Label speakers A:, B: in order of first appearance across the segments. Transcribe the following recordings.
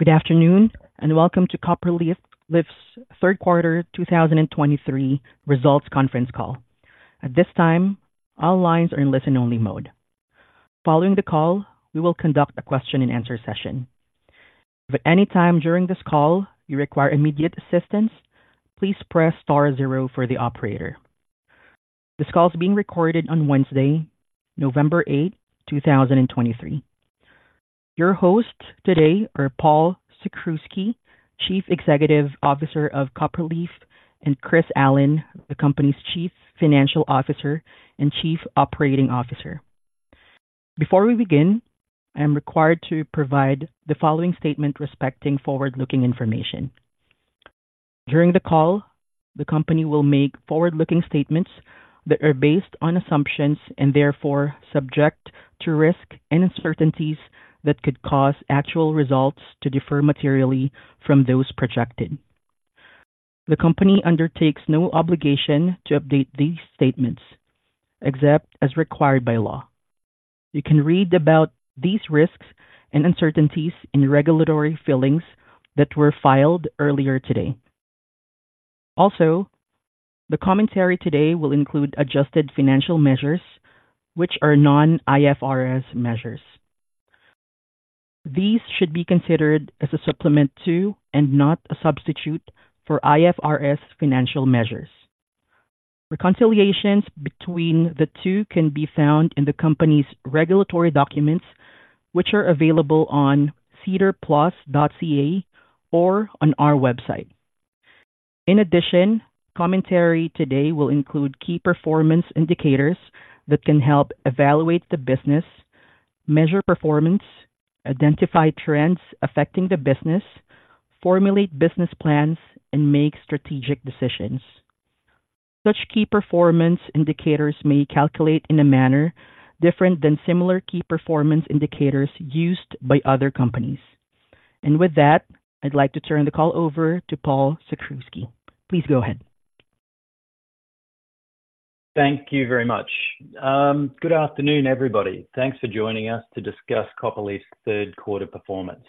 A: Good afternoon, and welcome to Copperleaf's third quarter 2023 results conference call. At this time, all lines are in listen-only mode. Following the call, we will conduct a question and answer session. If at any time during this call you require immediate assistance, please press star zero for the operator. This call is being recorded on Wednesday, November 8, 2023. Your hosts today are Paul Sakrzewski, Chief Executive Officer of Copperleaf, and Chris Allen, the company's Chief Financial Officer and Chief Operating Officer. Before we begin, I am required to provide the following statement respecting forward-looking information. During the call, the company will make forward-looking statements that are based on assumptions and therefore subject to risk and uncertainties that could cause actual results to differ materially from those projected. The company undertakes no obligation to update these statements, except as required by law. You can read about these risks and uncertainties in regulatory filings that were filed earlier today. Also, the commentary today will include adjusted financial measures, which are non-IFRS measures. These should be considered as a supplement to and not a substitute for IFRS financial measures. Reconciliations between the two can be found in the company's regulatory documents, which are available on SEDARplus.ca or on our website. In addition, commentary today will include key performance indicators that can help evaluate the business, measure performance, identify trends affecting the business, formulate business plans, and make strategic decisions. Such key performance indicators may calculate in a manner different than similar key performance indicators used by other companies. And with that, I'd like to turn the call over to Paul Sakrzewski. Please go ahead.
B: Thank you very much. Good afternoon, everybody. Thanks for joining us to discuss Copperleaf's third quarter performance.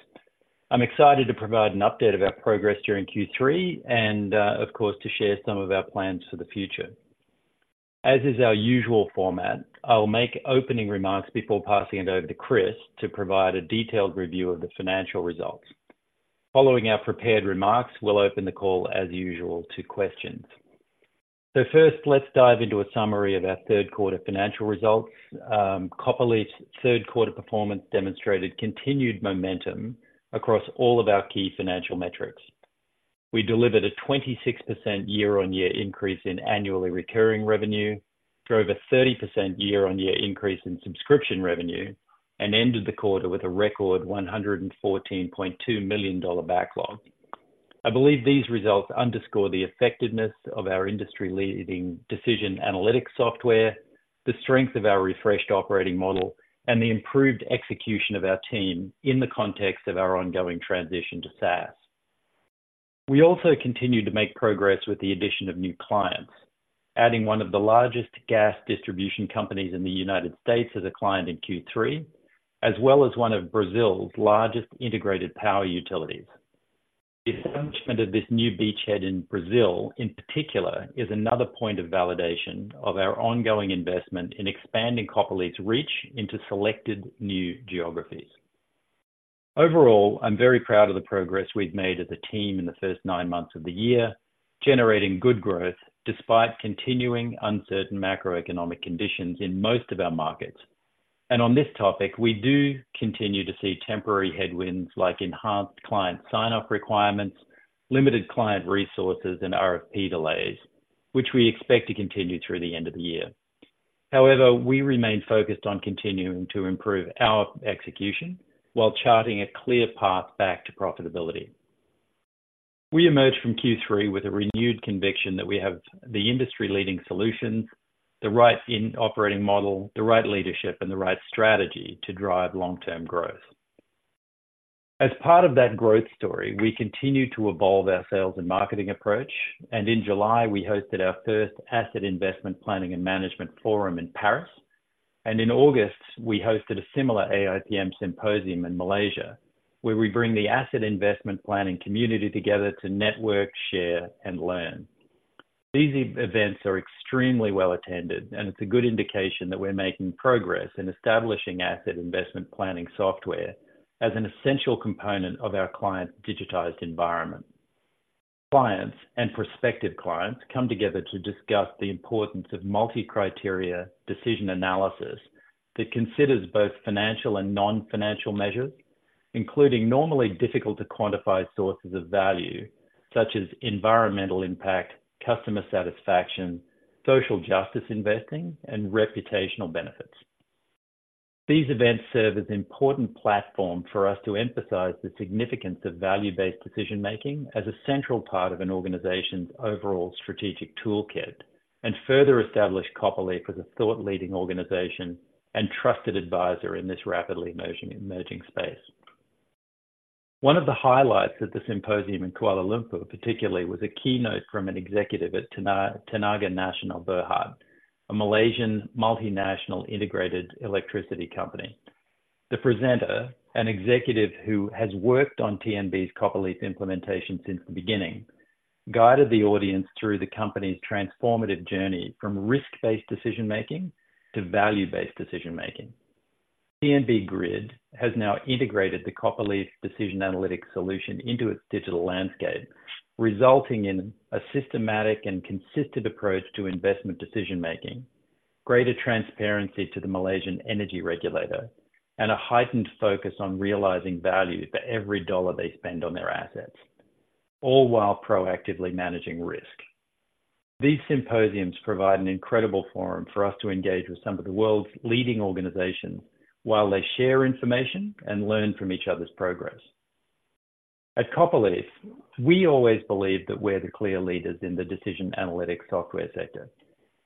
B: I'm excited to provide an update of our progress during Q3 and, of course, to share some of our plans for the future. As is our usual format, I'll make opening remarks before passing it over to Chris to provide a detailed review of the financial results. Following our prepared remarks, we'll open the call, as usual, to questions. First, let's dive into a summary of our third quarter financial results. Copperleaf's third quarter performance demonstrated continued momentum across all of our key financial metrics. We delivered a 26% year-on-year increase in annually recurring revenue, drove a 30% year-on-year increase in subscription revenue, and ended the quarter with a record 114.2 million dollar backlog. I believe these results underscore the effectiveness of our industry-leading decision analytics software, the strength of our refreshed operating model, and the improved execution of our team in the context of our ongoing transition to SaaS. We also continued to make progress with the addition of new clients, adding one of the largest gas distribution companies in the United States as a client in Q3, as well as one of Brazil's largest integrated power utilities. The establishment of this new beachhead in Brazil, in particular, is another point of validation of our ongoing investment in expanding Copperleaf's reach into selected new geographies. Overall, I'm very proud of the progress we've made as a team in the first nine months of the year, generating good growth despite continuing uncertain macroeconomic conditions in most of our markets. On this topic, we do continue to see temporary headwinds like enhanced client sign-off requirements, limited client resources, and RFP delays, which we expect to continue through the end of the year. However, we remain focused on continuing to improve our execution while charting a clear path back to profitability. We emerged from Q3 with a renewed conviction that we have the industry-leading solutions, the right operating model, the right leadership, and the right strategy to drive long-term growth. As part of that growth story, we continue to evolve our sales and marketing approach, and in July, we hosted our first Asset Investment Planning and Management Forum in Paris. In August, we hosted a similar AIPM Symposium in Malaysia, where we bring the asset investment planning community together to network, share, and learn. These events are extremely well attended, and it's a good indication that we're making progress in establishing asset investment planning software as an essential component of our client digitized environment. Clients and prospective clients come together to discuss the importance of multi-criteria decision analysis that considers both financial and non-financial measures, including normally difficult-to-quantify sources of value, such as environmental impact, customer satisfaction, social justice investing, and reputational benefits. These events serve as an important platform for us to emphasize the significance of value-based decision-making as a central part of an organization's overall strategic toolkit, and further establish Copperleaf as a thought-leading organization and trusted advisor in this rapidly emerging, emerging space. One of the highlights at the symposium in Kuala Lumpur, particularly, was a keynote from an executive at Tenaga Nasional Berhad, a Malaysian multinational integrated electricity company.... The presenter, an executive who has worked on TNB's Copperleaf implementation since the beginning, guided the audience through the company's transformative journey from risk-based decision-making to value-based decision-making. TNB Grid has now integrated the Copperleaf decision analytics solution into its digital landscape, resulting in a systematic and consistent approach to investment decision-making, greater transparency to the Malaysian energy regulator, and a heightened focus on realizing value for every dollar they spend on their assets, all while proactively managing risk. These symposiums provide an incredible forum for us to engage with some of the world's leading organizations while they share information and learn from each other's progress. At Copperleaf, we always believed that we're the clear leaders in the decision analytics software sector.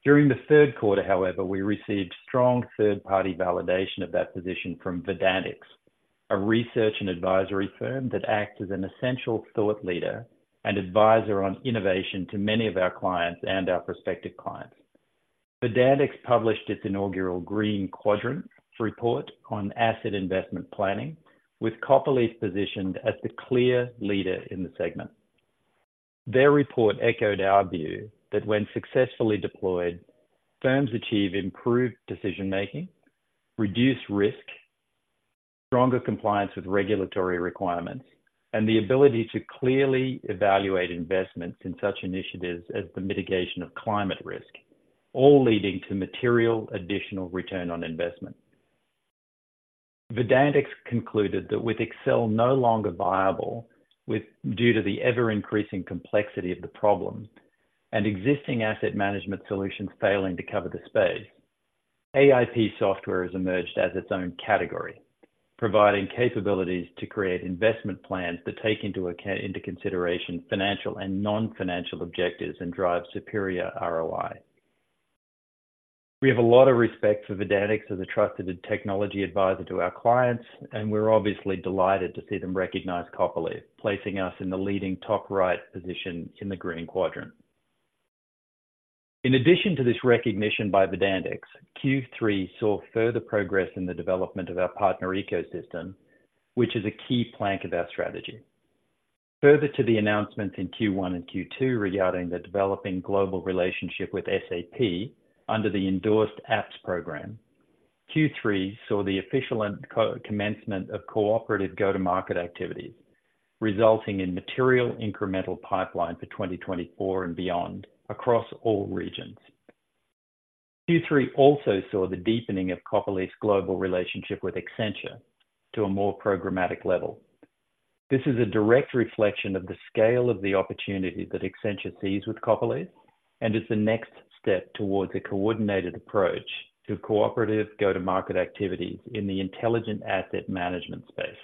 B: During the third quarter, however, we received strong third-party validation of that position from Verdantix, a research and advisory firm that acts as an essential thought leader and advisor on innovation to many of our clients and our prospective clients. Verdantix published its inaugural Green Quadrant report on asset investment planning, with Copperleaf positioned as the clear leader in the segment. Their report echoed our view that when successfully deployed, firms achieve improved decision-making, reduced risk, stronger compliance with regulatory requirements, and the ability to clearly evaluate investments in such initiatives as the mitigation of climate risk, all leading to material additional return on investment. Verdantix concluded that with Excel no longer viable, due to the ever-increasing complexity of the problem and existing asset management solutions failing to cover the space, AIP software has emerged as its own category, providing capabilities to create investment plans that take into consideration financial and non-financial objectives and drive superior ROI. We have a lot of respect for Verdantix as a trusted technology advisor to our clients, and we're obviously delighted to see them recognize Copperleaf, placing us in the leading top right position in the Green Quadrant. In addition to this recognition by Verdantix, Q3 saw further progress in the development of our partner ecosystem, which is a key plank of our strategy. Further to the announcements in Q1 and Q2 regarding the developing global relationship with SAP under the Endorsed Apps program, Q3 saw the official and co-commencement of cooperative go-to-market activities, resulting in material incremental pipeline for 2024 and beyond across all regions. Q3 also saw the deepening of Copperleaf's global relationship with Accenture to a more programmatic level. This is a direct reflection of the scale of the opportunity that Accenture sees with Copperleaf, and is the next step towards a coordinated approach to cooperative go-to-market activities in the intelligent asset management space.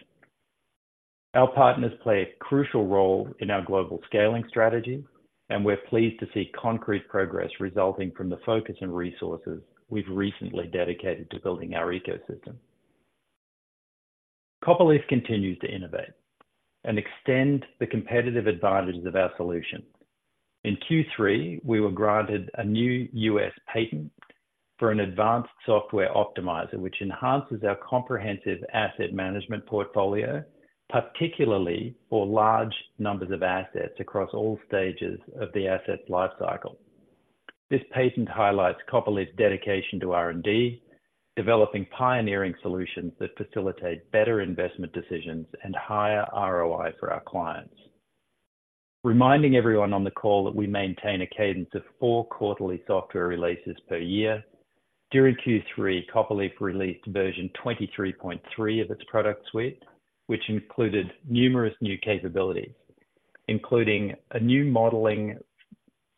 B: Our partners play a crucial role in our global scaling strategy, and we're pleased to see concrete progress resulting from the focus and resources we've recently dedicated to building our ecosystem. Copperleaf continues to innovate and extend the competitive advantages of our solution. In Q3, we were granted a new US patent for an advanced software optimizer, which enhances our comprehensive asset management portfolio, particularly for large numbers of assets across all stages of the asset's life cycle. This patent highlights Copperleaf's dedication to R&D, developing pioneering solutions that facilitate better investment decisions and higher ROI for our clients. Reminding everyone on the call that we maintain a cadence of four quarterly software releases per year. During Q3, Copperleaf released version 23.3 of its product suite, which included numerous new capabilities, including a new modeling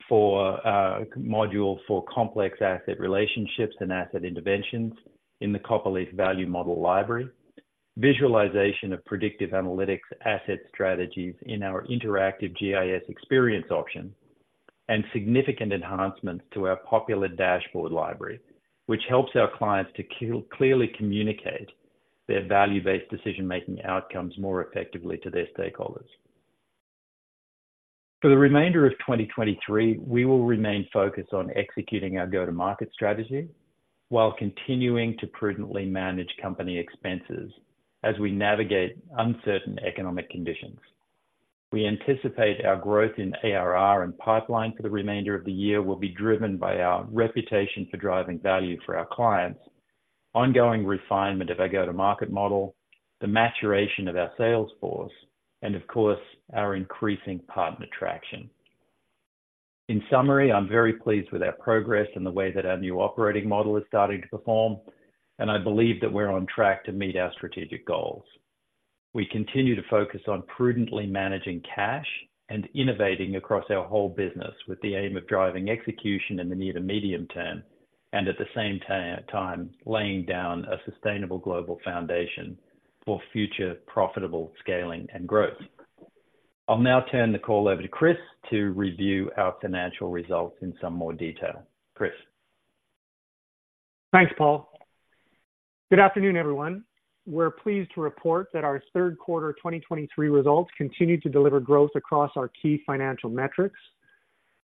B: module for complex asset relationships and asset interventions in the Copperleaf Value Model Library, visualization of predictive analytics asset strategies in our interactive GIS experience option, and significant enhancements to our popular Dashboard Library, which helps our clients to clearly communicate their value-based decision-making outcomes more effectively to their stakeholders. For the remainder of 2023, we will remain focused on executing our go-to-market strategy while continuing to prudently manage company expenses as we navigate uncertain economic conditions. We anticipate our growth in ARR and pipeline for the remainder of the year will be driven by our reputation for driving value for our clients, ongoing refinement of our go-to-market model, the maturation of our sales force, and of course, our increasing partner traction. In summary, I'm very pleased with our progress and the way that our new operating model is starting to perform, and I believe that we're on track to meet our strategic goals. We continue to focus on prudently managing cash and innovating across our whole business with the aim of driving execution in the near to medium term, and at the same time, laying down a sustainable global foundation for future profitable scaling and growth. I'll now turn the call over to Chris to review our financial results in some more detail. Chris?
C: Thanks, Paul. Good afternoon, everyone. We're pleased to report that our third quarter 2023 results continued to deliver growth across our key financial metrics.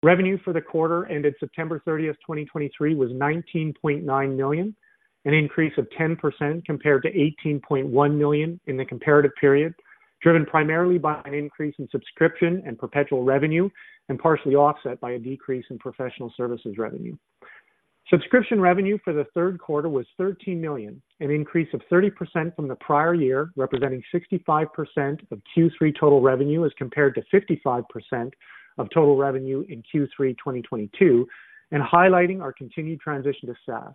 C: Revenue for the quarter ended September 30, 2023, was 19.9 million, an increase of 10% compared to 18.1 million in the comparative period, driven primarily by an increase in subscription and perpetual revenue, and partially offset by a decrease in professional services revenue. Subscription revenue for the third quarter was 13 million, an increase of 30% from the prior year, representing 65% of Q3 total revenue, as compared to 55% of total revenue in Q3 2022, and highlighting our continued transition to SaaS.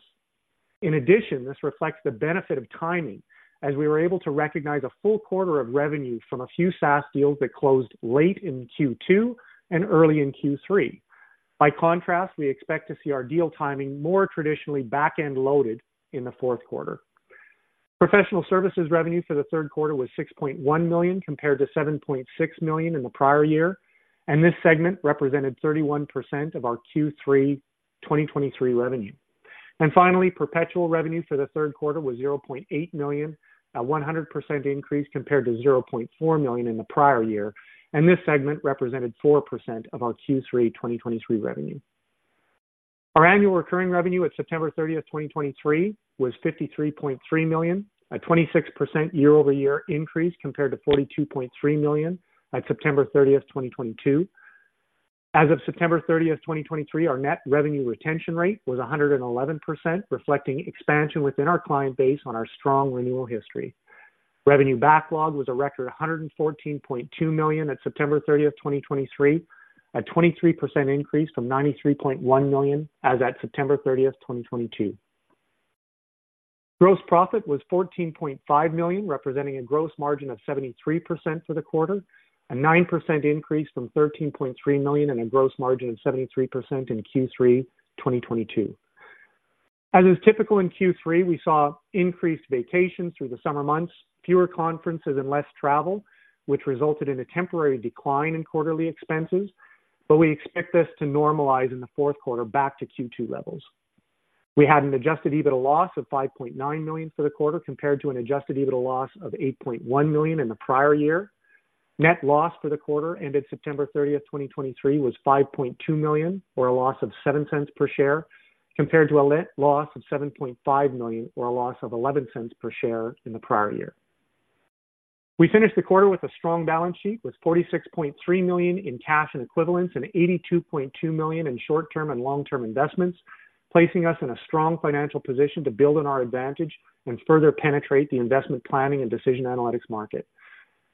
C: In addition, this reflects the benefit of timing, as we were able to recognize a full quarter of revenue from a few SaaS deals that closed late in Q2 and early in Q3. By contrast, we expect to see our deal timing more traditionally back-end loaded in the fourth quarter. Professional services revenue for the third quarter was 6.1 million, compared to 7.6 million in the prior year, and this segment represented 31% of our Q3 2023 revenue. And finally, perpetual revenue for the third quarter was 0.8 million, a 100% increase compared to 0.4 million in the prior year, and this segment represented 4% of our Q3 2023 revenue. Our annual recurring revenue at September 30, 2023, was 53.3 million, a 26% year-over-year increase compared to 42.3 million at September 30, 2022. As of September 30, 2023, our net revenue retention rate was 111%, reflecting expansion within our client base on our strong renewal history. Revenue backlog was a record 114.2 million at September 30, 2023, a 23% increase from 93.1 million as at September 30, 2022. Gross profit was 14.5 million, representing a gross margin of 73% for the quarter, a 9% increase from 13.3 million and a gross margin of 73% in Q3 2022. As is typical in Q3, we saw increased vacations through the summer months, fewer conferences, and less travel, which resulted in a temporary decline in quarterly expenses, but we expect this to normalize in the fourth quarter back to Q2 levels. We had an adjusted EBITDA loss of 5.9 million for the quarter, compared to an adjusted EBITDA loss of 8.1 million in the prior year. Net loss for the quarter ended September 30, 2023, was 5.2 million, or a loss of 0.07 per share, compared to a loss of 7.5 million, or a loss of 0.11 per share in the prior year. We finished the quarter with a strong balance sheet, with 46.3 million in cash and equivalents and 82.2 million in short-term and long-term investments, placing us in a strong financial position to build on our advantage and further penetrate the investment planning and decision analytics market.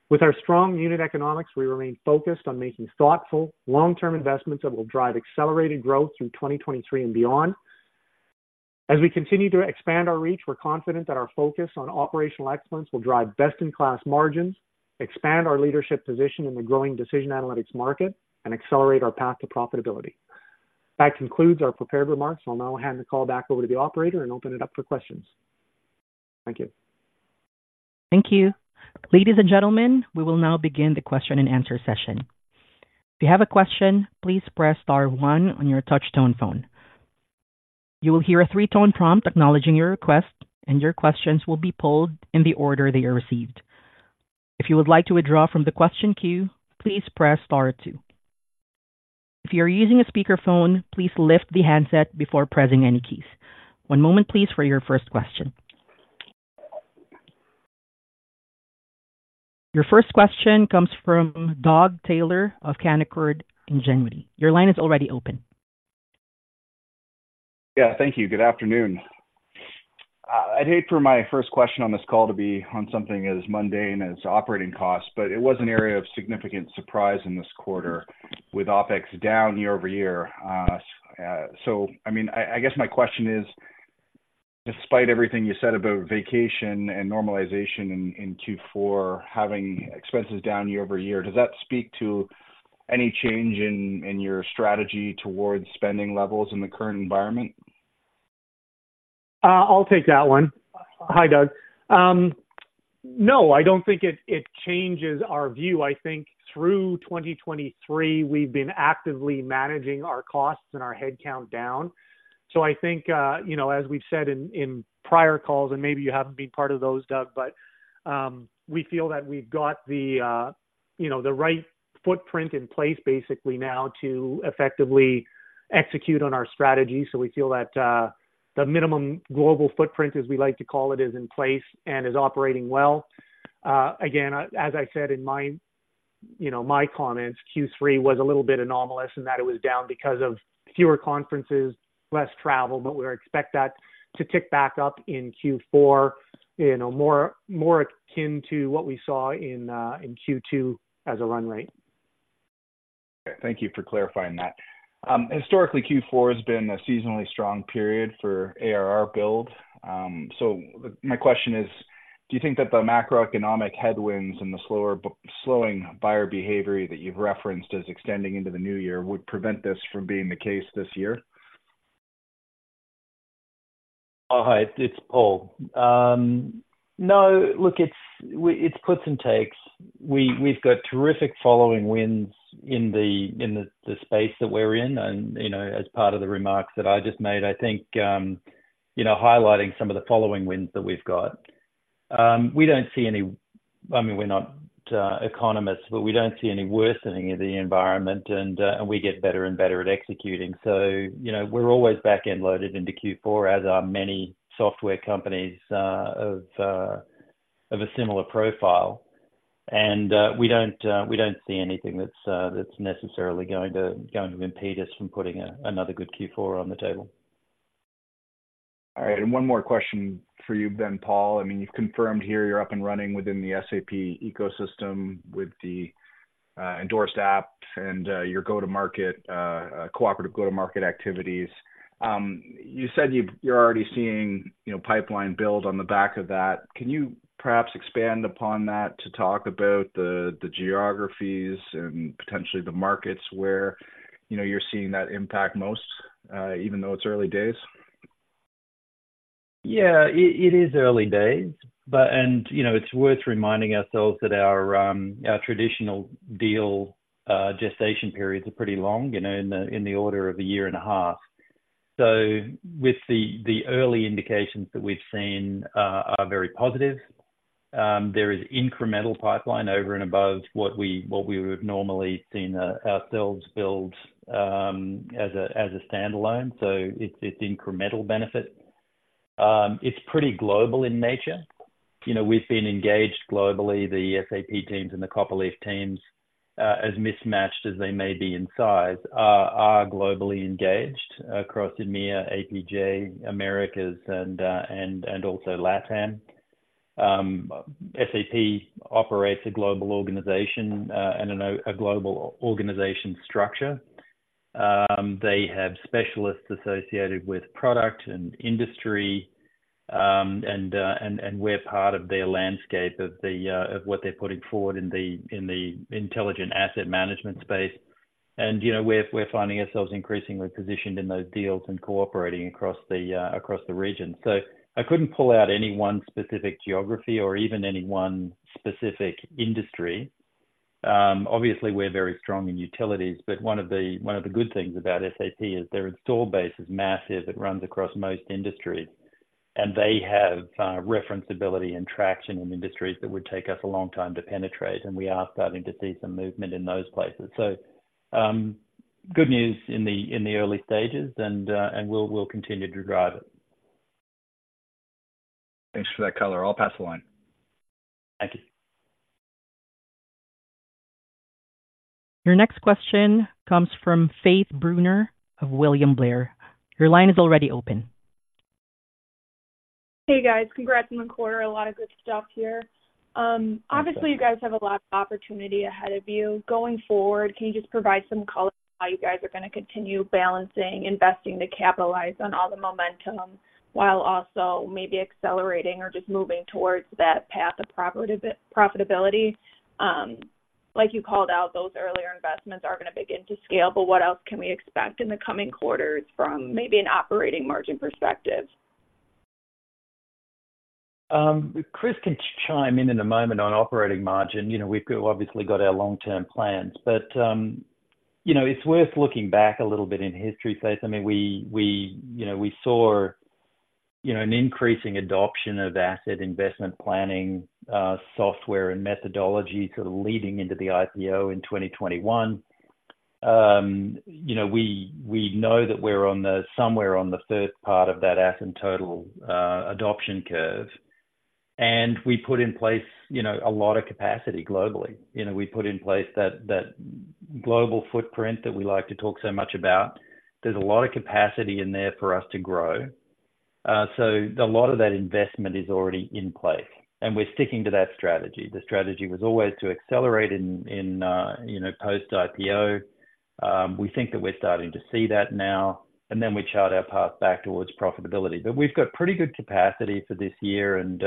C: With our strong unit economics, we remain focused on making thoughtful, long-term investments that will drive accelerated growth through 2023 and beyond. As we continue to expand our reach, we're confident that our focus on operational excellence will drive best-in-class margins, expand our leadership position in the growing decision analytics market, and accelerate our path to profitability. That concludes our prepared remarks. I'll now hand the call back over to the operator and open it up for questions. Thank you.
A: Thank you. Ladies and gentlemen, we will now begin the question-and-answer session. If you have a question, please press star one on your touchtone phone. You will hear a three-tone prompt acknowledging your request, and your questions will be polled in the order they are received. If you would like to withdraw from the question queue, please press star two. If you are using a speakerphone, please lift the handset before pressing any keys. One moment, please, for your first question. Your first question comes from Doug Taylor of Canaccord Genuity. Your line is already open.
D: Yeah, thank you. Good afternoon. I'd hate for my first question on this call to be on something as mundane as operating costs, but it was an area of significant surprise in this quarter, with OpEx down year-over-year. So, I mean, I guess my question is, despite everything you said about vacation and normalization in Q4, having expenses down year-over-year, does that speak to any change in your strategy towards spending levels in the current environment?
C: I'll take that one. Hi, Doug. No, I don't think it changes our view. I think through 2023, we've been actively managing our costs and our headcount down. So I think, you know, as we've said in prior calls, and maybe you haven't been part of those, Doug, but, we feel that we've got the, you know, the right footprint in place basically now to effectively execute on our strategy. So we feel that, the minimum global footprint, as we like to call it, is in place and is operating well. Again, as I said in my, you know, my comments, Q3 was a little bit anomalous and that it was down because of fewer conferences, less travel, but we expect that to tick back up in Q4, you know, more, more akin to what we saw in, in Q2 as a run rate.
D: Thank you for clarifying that. Historically, Q4 has been a seasonally strong period for ARR build. So my question is: do you think that the macroeconomic headwinds and the slowing buyer behavior that you've referenced as extending into the new year would prevent this from being the case this year?
B: Oh, hi, it's Paul. No, look, it's puts and takes. We've got terrific following winds in the space that we're in. And, you know, as part of the remarks that I just made, I think, you know, highlighting some of the following winds that we've got. We don't see any, I mean, we're not economists, but we don't see any worsening of the environment, and we get better and better at executing. So, you know, we're always back-end loaded into Q4, as are many software companies of a similar profile. And we don't see anything that's necessarily going to impede us from putting another good Q4 on the table.
D: All right, and one more question for you then, Paul. I mean, you've confirmed here you're up and running within the SAP ecosystem with the endorsed app and your go-to-market cooperative go-to-market activities. You said you're already seeing, you know, pipeline build on the back of that. Can you perhaps expand upon that to talk about the geographies and potentially the markets where, you know, you're seeing that impact most, even though it's early days?
B: Yeah, it is early days, but. And, you know, it's worth reminding ourselves that our traditional deal gestation periods are pretty long, you know, in the order of a year and a half. So with the early indications that we've seen are very positive, there is incremental pipeline over and above what we would have normally seen ourselves build as a standalone. So it's incremental benefit. It's pretty global in nature. You know, we've been engaged globally, the SAP teams and the Copperleaf teams, as mismatched as they may be in size, are globally engaged across EMEA, APJ, Americas, and also LATAM. SAP operates a global organization and a global organization structure. They have specialists associated with product and industry, and we're part of their landscape of what they're putting forward in the intelligent asset management space. And, you know, we're finding ourselves increasingly positioned in those deals and cooperating across the region. So I couldn't pull out any one specific geography or even any one specific industry. Obviously, we're very strong in utilities, but one of the good things about SAP is their install base is massive. It runs across most industries, and they have referenceability and traction in industries that would take us a long time to penetrate, and we are starting to see some movement in those places. So, good news in the early stages, and we'll continue to drive it.
D: Thanks for that color. I'll pass the line.
B: Thank you.
A: Your next question comes from Faith Brunner of William Blair. Your line is already open.
E: Hey, guys. Congrats on the quarter. A lot of good stuff here. Obviously, you guys have a lot of opportunity ahead of you. Going forward, can you just provide some color on how you guys are gonna continue balancing, investing to capitalize on all the momentum, while also maybe accelerating or just moving towards that path of profitability? Like you called out, those earlier investments are gonna begin to scale, but what else can we expect in the coming quarters from maybe an operating margin perspective?
B: Chris can chime in in a moment on operating margin. You know, we've obviously got our long-term plans, but, you know, it's worth looking back a little bit in history, Faith. I mean, we, we, you know, we saw, you know, an increasing adoption of asset investment planning software and methodology sort of leading into the IPO in 2021. You know, we, we know that we're on the somewhere on the third part of that asset total adoption curve, and we put in place, you know, a lot of capacity globally. You know, we put in place that, that global footprint that we like to talk so much about. There's a lot of capacity in there for us to grow. So a lot of that investment is already in place, and we're sticking to that strategy. The strategy was always to accelerate in you know post-IPO. We think that we're starting to see that now, and then we chart our path back towards profitability. But we've got pretty good capacity for this year and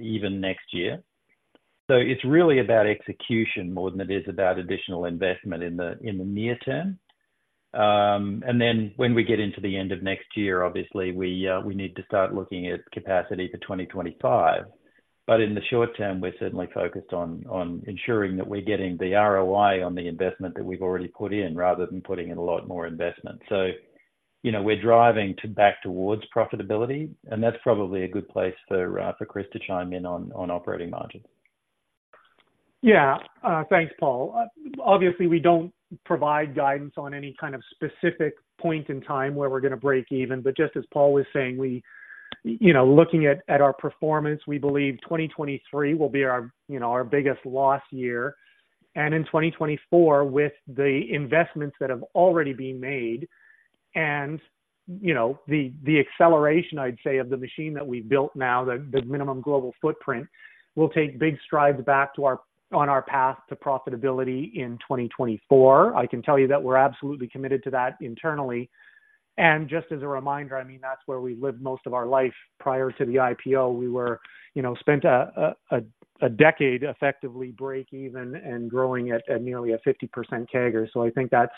B: even next year. So it's really about execution more than it is about additional investment in the near term. And then when we get into the end of next year, obviously, we need to start looking at capacity for 2025. But in the short term, we're certainly focused on ensuring that we're getting the ROI on the investment that we've already put in, rather than putting in a lot more investment. So, you know, we're driving to back towards profitability, and that's probably a good place for Chris to chime in on operating margin.
C: Yeah. Thanks, Paul. Obviously, we don't provide guidance on any kind of specific point in time where we're gonna break even, but just as Paul was saying, we, you know, looking at our performance, we believe 2023 will be our, you know, our biggest loss year. And in 2024, with the investments that have already been made and, you know, the acceleration, I'd say, of the machine that we've built now, the minimum global footprint, will take big strides back to our path to profitability in 2024. I can tell you that we're absolutely committed to that internally. And just as a reminder, I mean, that's where we lived most of our life prior to the IPO. We were, you know, spent a decade effectively break even and growing at nearly a 50% CAGR.So I think that's,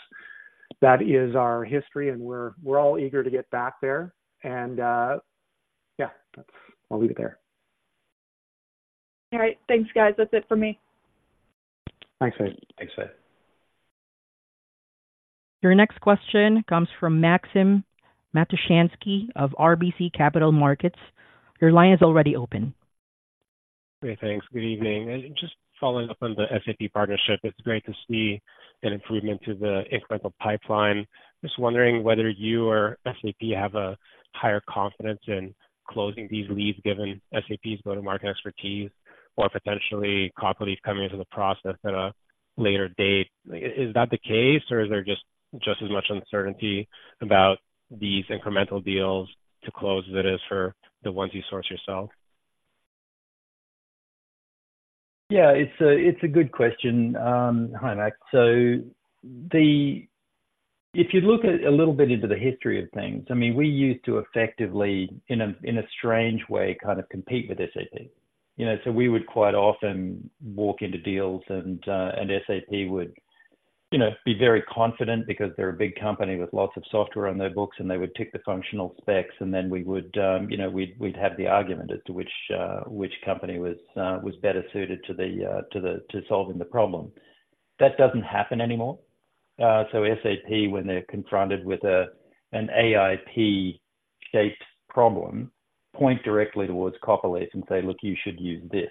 C: that is our history, and we're all eager to get back there. Yeah, that's... I'll leave it there.
E: All right. Thanks, guys. That's it for me.
C: Thanks, Faith.
B: Thanks, Faith....
A: Your next question comes from Maxim Matushansky of RBC Capital Markets. Your line is already open.
F: Great, thanks. Good evening. Just following up on the SAP partnership, it's great to see an improvement to the incremental pipeline. Just wondering whether you or SAP have a higher confidence in closing these leads, given SAP's go-to-market expertise, or potentially Copperleaf coming into the process at a later date. Is that the case, or is there just as much uncertainty about these incremental deals to close as it is for the ones you source yourself?
B: Yeah, it's a good question. Hi, Max. So, if you look a little bit into the history of things, I mean, we used to effectively, in a strange way, kind of compete with SAP. You know, so we would quite often walk into deals and SAP would, you know, be very confident because they're a big company with lots of software on their books, and they would tick the functional specs, and then we would, you know, we'd have the argument as to which company was better suited to the to solving the problem. That doesn't happen anymore. So SAP, when they're confronted with an AIP-shaped problem, point directly towards Copperleaf and say, "Look, you should use this."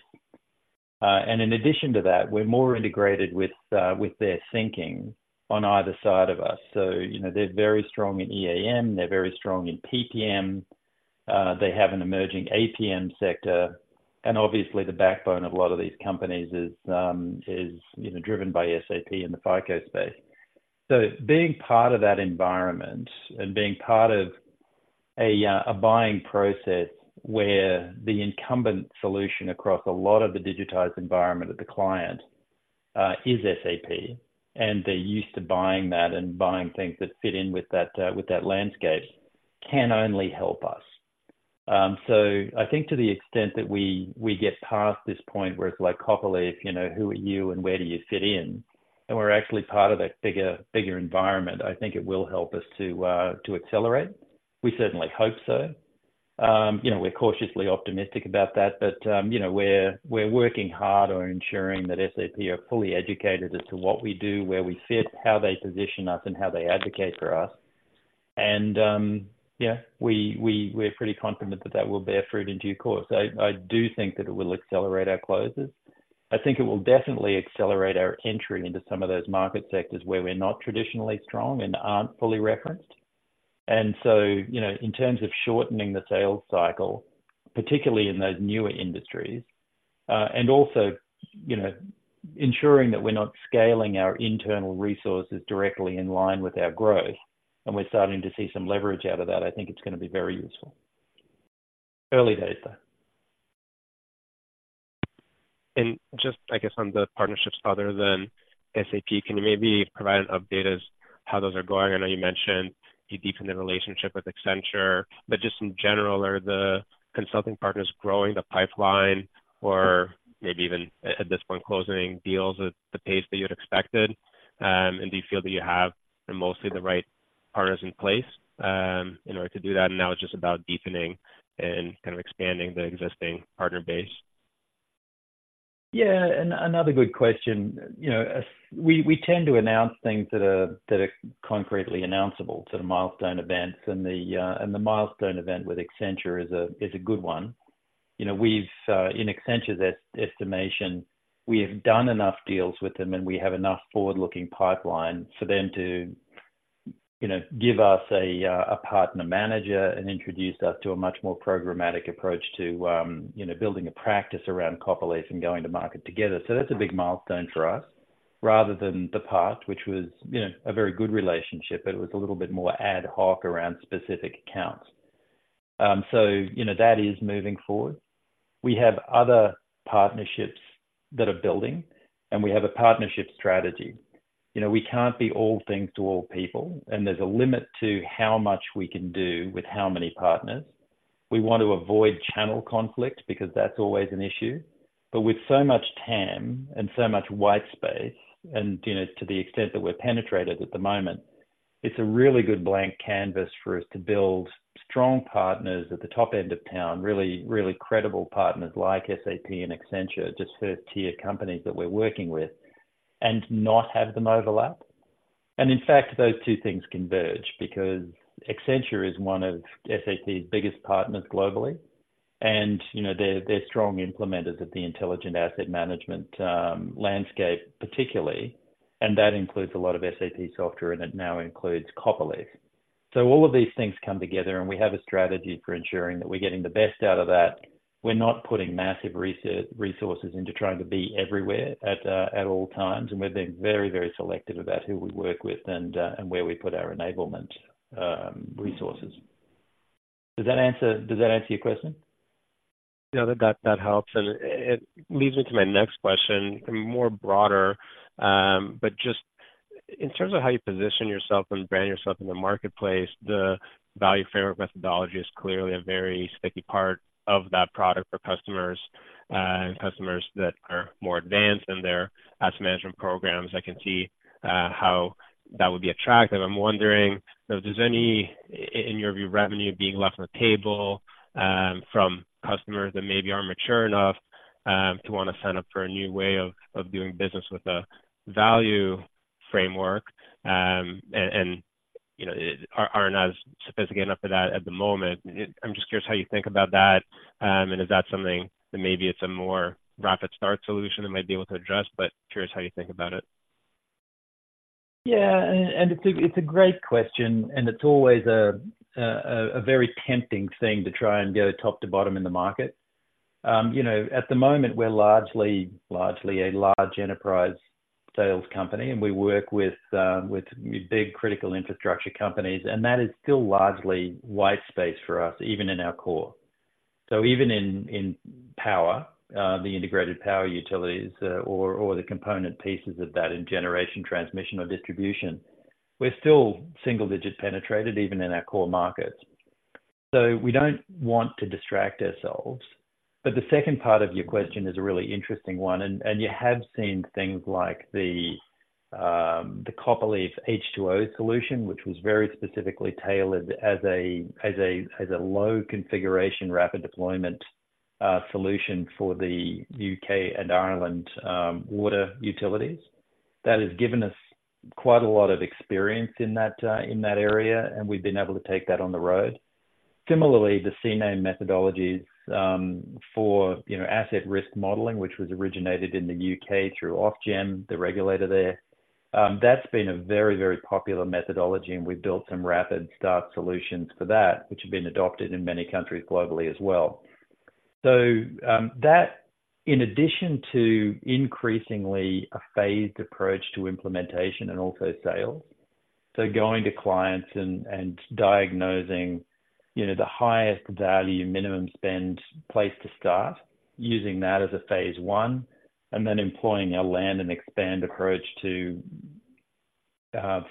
B: And in addition to that, we're more integrated with their thinking on either side of us. So, you know, they're very strong in EAM, they're very strong in PPM, they have an emerging APM sector, and obviously the backbone of a lot of these companies is, you know, driven by SAP in the FICO space. So being part of that environment and being part of a buying process where the incumbent solution across a lot of the digitized environment of the client is SAP, and they're used to buying that and buying things that fit in with that landscape, can only help us. So I think to the extent that we get past this point where it's like, Copperleaf, you know, who are you and where do you fit in? And we're actually part of a bigger environment, I think it will help us to accelerate. We certainly hope so. You know, we're cautiously optimistic about that, but you know, we're working hard on ensuring that SAP are fully educated as to what we do, where we fit, how they position us, and how they advocate for us. And yeah, we're pretty confident that that will bear fruit in due course. I do think that it will accelerate our closes. I think it will definitely accelerate our entry into some of those market sectors where we're not traditionally strong and aren't fully referenced. So, you know, in terms of shortening the sales cycle, particularly in those newer industries, and also, you know, ensuring that we're not scaling our internal resources directly in line with our growth, and we're starting to see some leverage out of that, I think it's gonna be very useful. Early days, though.
F: Just, I guess, on the partnerships other than SAP, can you maybe provide an update as how those are going? I know you mentioned you deepened the relationship with Accenture, but just in general, are the consulting partners growing the pipeline or maybe even at this point, closing deals at the pace that you'd expected? Do you feel that you have mostly the right partners in place, in order to do that, and now it's just about deepening and kind of expanding the existing partner base?
B: Yeah, another good question. You know, we tend to announce things that are concretely announceable, so the milestone events, and the milestone event with Accenture is a good one. You know, in Accenture's estimation, we have done enough deals with them, and we have enough forward-looking pipeline for them to, you know, give us a partner manager and introduce us to a much more programmatic approach to, you know, building a practice around Copperleaf and going to market together. So that's a big milestone for us, rather than the past, which was, you know, a very good relationship, but it was a little bit more ad hoc around specific accounts. So, you know, that is moving forward. We have other partnerships that are building, and we have a partnership strategy. You know, we can't be all things to all people, and there's a limit to how much we can do with how many partners. We want to avoid channel conflict because that's always an issue. But with so much TAM and so much white space, and, you know, to the extent that we're penetrated at the moment, it's a really good blank canvas for us to build strong partners at the top end of town, really, really credible partners like SAP and Accenture, just first-tier companies that we're working with, and not have them overlap. And in fact, those two things converge because Accenture is one of SAP's biggest partners globally, and, you know, they're, they're strong implementers of the intelligent asset management landscape particularly, and that includes a lot of SAP software, and it now includes Copperleaf. So all of these things come together, and we have a strategy for ensuring that we're getting the best out of that. We're not putting massive resources into trying to be everywhere at all times, and we're being very, very selective about who we work with and where we put our enablement resources. Does that answer, does that answer your question?
F: Yeah, that helps, and it leads into my next question, more broader. But just in terms of how you position yourself and brand yourself in the marketplace, the Value Framework methodology is clearly a very sticky part of that product for customers, and customers that are more advanced in their asset management programs. I can see how that would be attractive. I'm wondering if there's any, in your view, revenue being left on the table, from customers that maybe aren't mature enough? To want to sign up for a new way of doing business with a Value Framework, and, you know, are not as sophisticated enough for that at the moment. I'm just curious how you think about that, and is that something that maybe it's a more rapid start solution it might be able to address, but curious how you think about it?
B: Yeah, and it's a great question, and it's always a very tempting thing to try and go top to bottom in the market. You know, at the moment, we're largely a large enterprise sales company, and we work with big critical infrastructure companies, and that is still largely white space for us, even in our core. So even in power, the integrated power utilities, or the component pieces of that in generation transmission or distribution, we're still single digit penetrated even in our core markets. So we don't want to distract ourselves. But the second part of your question is a really interesting one, and you have seen things like the Copperleaf H2O solution, which was very specifically tailored as a low configuration, rapid deployment solution for the UK and Ireland water utilities. That has given us quite a lot of experience in that area, and we've been able to take that on the road. Similarly, the CNA methodologies for, you know, asset risk modeling, which was originated in the UK through Ofgem, the regulator there. That's been a very, very popular methodology, and we've built some rapid start solutions for that, which have been adopted in many countries globally as well. So, that in addition to increasingly a phased approach to implementation and also sales, so going to clients and diagnosing, you know, the highest value, minimum spend place to start, using that as a phase one, and then employing a land and expand approach to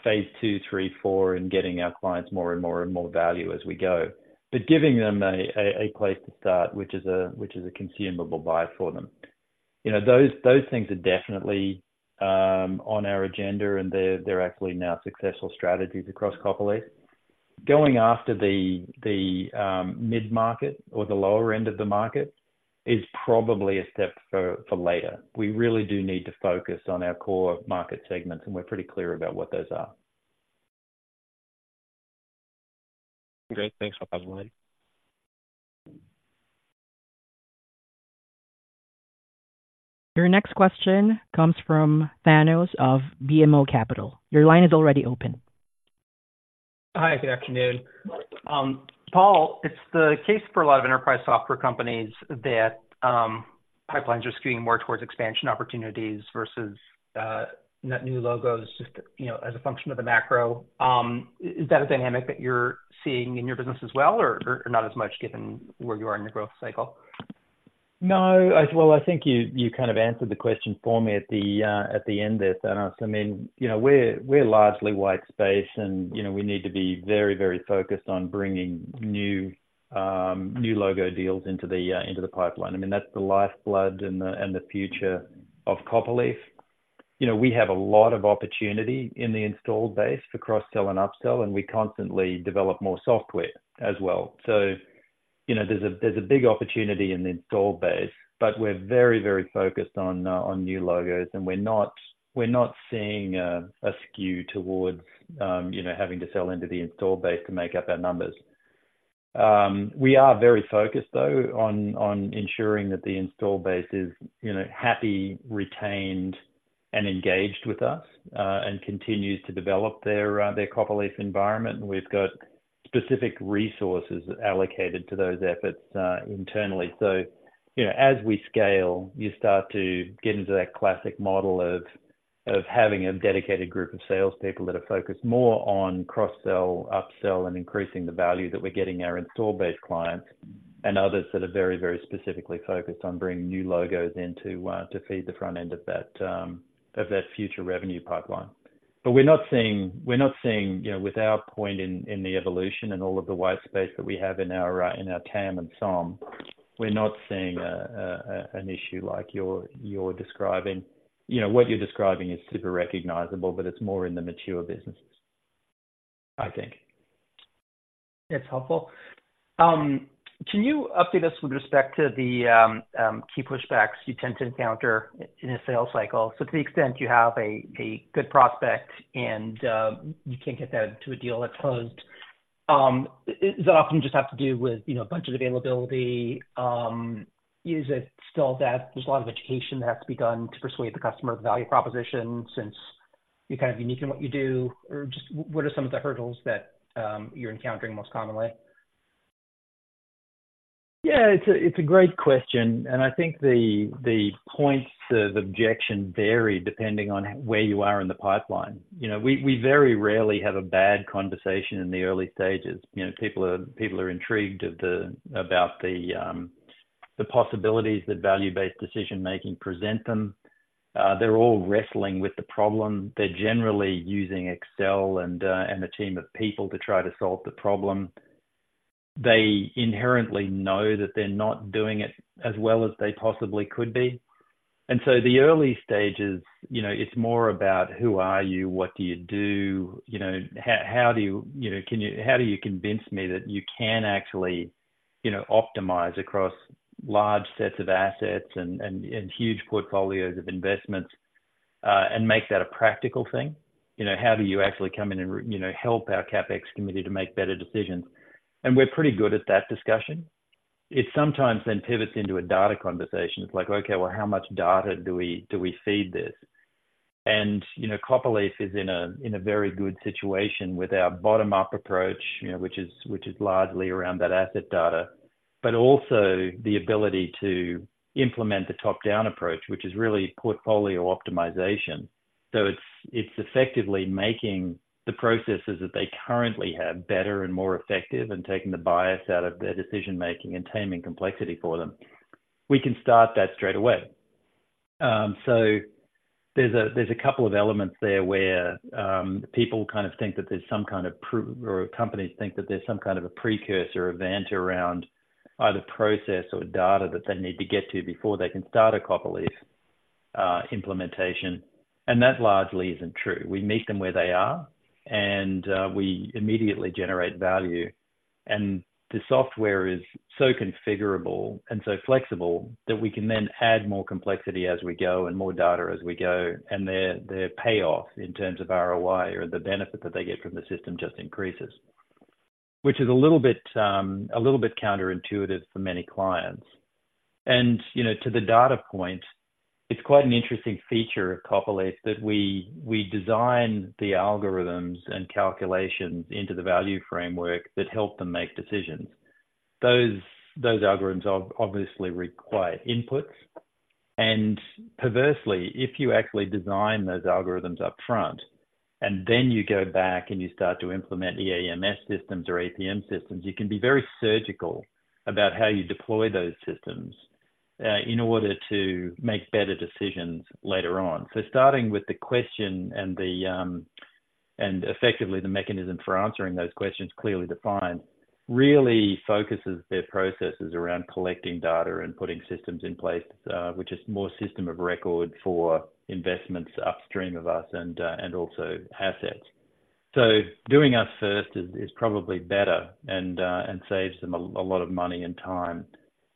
B: phase two, three, four, and getting our clients more and more and more value as we go. But giving them a place to start, which is a consumable buy for them. You know, those things are definitely on our agenda, and they're actually now successful strategies across Copperleaf. Going after the mid-market or the lower end of the market is probably a step for later. We really do need to focus on our core market segments, and we're pretty clear about what those are.
F: Great. Thanks for the opportunity.
A: Your next question comes from Thanos of BMO Capital. Your line is already open.
G: Hi, good afternoon. Paul, it's the case for a lot of enterprise software companies that pipelines are skewing more towards expansion opportunities versus net new logos, just, you know, as a function of the macro. Is that a dynamic that you're seeing in your business as well, or not as much given where you are in the growth cycle?
B: No, as well, I think you, you kind of answered the question for me at the, at the end there, Thanos. I mean, you know, we're, we're largely white space and, you know, we need to be very, very focused on bringing new, new logo deals into the, into the pipeline. I mean, that's the lifeblood and the, and the future of Copperleaf. You know, we have a lot of opportunity in the installed base for cross-sell and up-sell, and we constantly develop more software as well. So, you know, there's a, there's a big opportunity in the installed base, but we're very, very focused on, on new logos, and we're not, we're not seeing, a skew towards, you know, having to sell into the installed base to make up our numbers. We are very focused, though, on ensuring that the installed base is, you know, happy, retained, and engaged with us, and continues to develop their, their Copperleaf environment. We've got specific resources allocated to those efforts, internally. So, you know, as we scale, you start to get into that classic model of having a dedicated group of salespeople that are focused more on cross-sell, up-sell, and increasing the value that we're getting our installed base clients, and others that are very, very specifically focused on bringing new logos in to feed the front end of that future revenue pipeline. But we're not seeing, we're not seeing, you know, with our point in, in the evolution and all of the white space that we have in our, in our TAM and SOM, we're not seeing a, a, an issue like you're, you're describing. You know, what you're describing is super recognizable, but it's more in the mature businesses, I think.
G: That's helpful. Can you update us with respect to the key pushbacks you tend to encounter in a sales cycle? So to the extent you have a good prospect and you can't get that to a deal that's closed, does that often just have to do with, you know, budget availability? Is it still that there's a lot of education that has to be done to persuade the customer of the value proposition since you're kind of unique in what you do? Or just what are some of the hurdles that you're encountering most commonly?
B: Yeah, it's a great question, and I think the points of objection vary depending on where you are in the pipeline. You know, we very rarely have a bad conversation in the early stages. You know, people are intrigued about the possibilities that value-based decision-making present them. They're all wrestling with the problem. They're generally using Excel and a team of people to try to solve the problem. They inherently know that they're not doing it as well as they possibly could be. So the early stages, you know, it's more about who are you? What do you do? You know, how do you, you know, can you—how do you convince me that you can actually, you know, optimize across large sets of assets and huge portfolios of investments and make that a practical thing? You know, how do you actually come in and, you know, help our CapEx committee to make better decisions? We're pretty good at that discussion. It sometimes then pivots into a data conversation. It's like, okay, well, how much data do we feed this? You know, Copperleaf is in a very good situation with our bottom-up approach, you know, which is largely around that asset data, but also the ability to implement the top-down approach, which is really portfolio optimization. So it's effectively making the processes that they currently have better and more effective, and taking the bias out of their decision-making and taming complexity for them. We can start that straight away. So there's a couple of elements there where people kind of think that there's some kind of or companies think that there's some kind of a precursor event around either process or data that they need to get to before they can start a Copperleaf implementation, and that largely isn't true. We meet them where they are, and we immediately generate value. The software is so configurable and so flexible that we can then add more complexity as we go, and more data as we go, and their payoff in terms of ROI or the benefit that they get from the system just increases, which is a little bit counterintuitive for many clients. You know, to the data point, it's quite an interesting feature of Copperleaf that we design the algorithms and calculations into the value framework that help them make decisions. Those algorithms obviously require inputs. And perversely, if you actually design those algorithms up front, and then you go back and you start to implement the EAM systems or APM systems, you can be very surgical about how you deploy those systems in order to make better decisions later on. So starting with the question and effectively the mechanism for answering those questions clearly defined really focuses their processes around collecting data and putting systems in place, which is more system of record for investments upstream of us and also assets. So doing us first is probably better and saves them a lot of money and time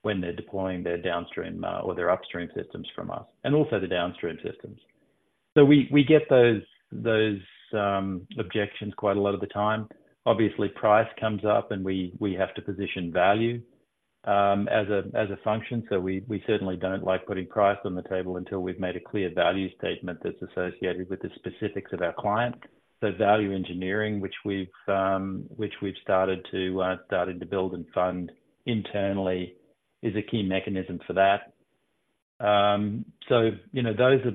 B: when they're deploying their downstream or their upstream systems from us, and also the downstream systems. So we get those objections quite a lot of the time. Obviously, price comes up, and we have to position value as a function. So we certainly don't like putting price on the table until we've made a clear value statement that's associated with the specifics of our client. So value engineering, which we've started to build and fund internally, is a key mechanism for that. So, you know, those are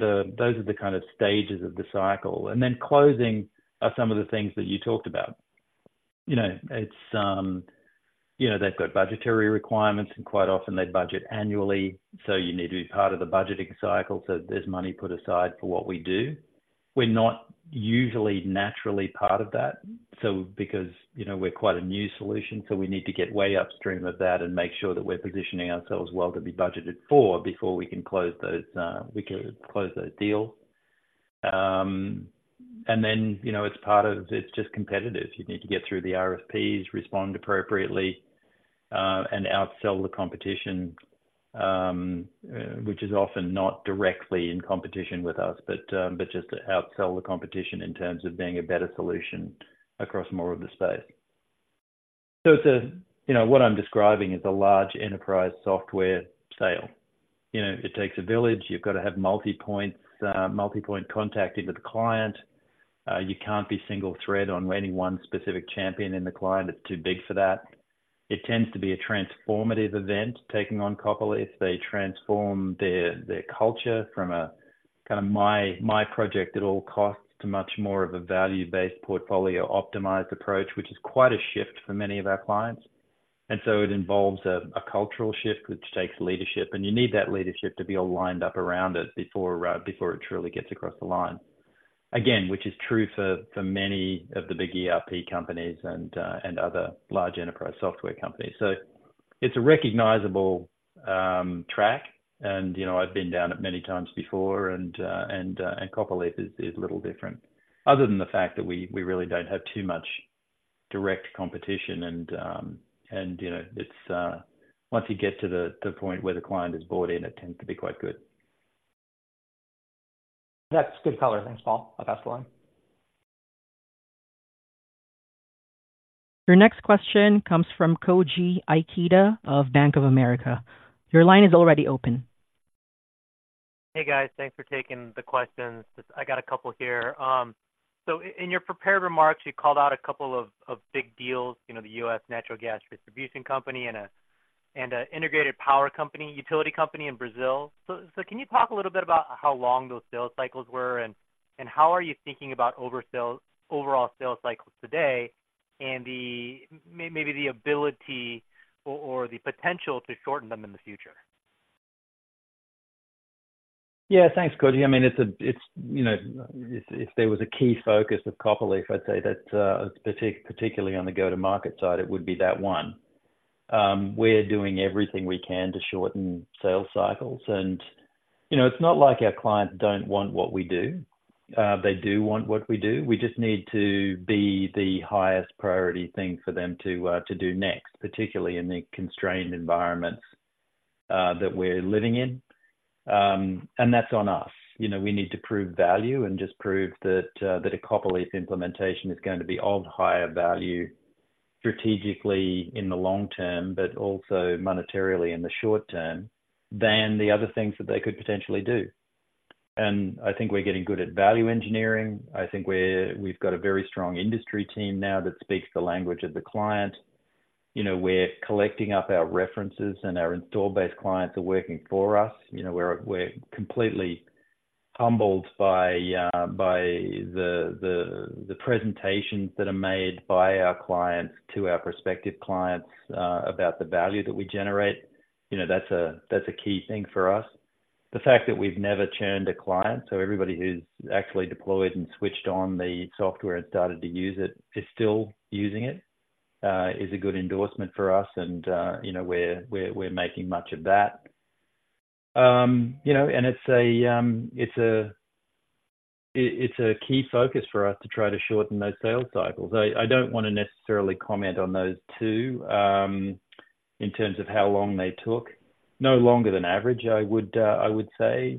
B: the kind of stages of the cycle. And then closing are some of the things that you talked about. You know, it's, you know, they've got budgetary requirements, and quite often they budget annually, so you need to be part of the budgeting cycle, so there's money put aside for what we do. We're not usually naturally part of that, so because, you know, we're quite a new solution, so we need to get way upstream of that and make sure that we're positioning ourselves well to be budgeted for before we can close those deal. And then, you know, it's just competitive. You need to get through the RFPs, respond appropriately, and outsell the competition, which is often not directly in competition with us, but just to outsell the competition in terms of being a better solution across more of the space. So it's, you know, what I'm describing is a large enterprise software sale. You know, it takes a village. You've got to have multi-point contact with the client. You can't be single thread on any one specific champion in the client. It's too big for that. It tends to be a transformative event, taking on Copperleaf. They transform their culture from a kinda my project at all costs, to much more of a value-based portfolio, optimized approach, which is quite a shift for many of our clients. It involves a cultural shift, which takes leadership, and you need that leadership to be all lined up around it before it truly gets across the line. Again, which is true for many of the big ERP companies and other large enterprise software companies. So it's a recognizable track, and you know, I've been down it many times before, and Copperleaf is a little different, other than the fact that we really don't have too much direct competition, and you know, it's once you get to the point where the client is bought in, it tends to be quite good.
G: That's good color. Thanks, Paul. I'll pass it on.
A: Your next question comes from Koji Ikeda of Bank of America. Your line is already open.
H: Hey, guys. Thanks for taking the questions. Just I got a couple here. So in your prepared remarks, you called out a couple of big deals, you know, the US. Natural Gas Distribution company and an integrated power utility company in Brazil. So can you talk a little bit about how long those sales cycles were, and how are you thinking about overall sales cycles today, and maybe the ability or the potential to shorten them in the future?
B: Yeah. Thanks, Koji. I mean, it's you know, if there was a key focus of Copperleaf, I'd say that particularly on the go-to-market side, it would be that one. We're doing everything we can to shorten sales cycles. You know, it's not like our clients don't want what we do. They do want what we do. We just need to be the highest priority thing for them to do next, particularly in the constrained environments that we're living in. That's on us. You know, we need to prove value and just prove that a Copperleaf implementation is going to be of higher value strategically in the long term, but also monetarily in the short term, than the other things that they could potentially do. I think we're getting good at value engineering. I think we've got a very strong industry team now that speaks the language of the client. You know, we're collecting up our references, and our installed base clients are working for us. You know, we're completely humbled by the presentations that are made by our clients to our prospective clients about the value that we generate. You know, that's a key thing for us. The fact that we've never churned a client, so everybody who's actually deployed and switched on the software and started to use it is still using it is a good endorsement for us. And you know, we're making much of that. You know, it's a key focus for us to try to shorten those sales cycles. I don't want to necessarily comment on those two in terms of how long they took. No longer than average, I would say.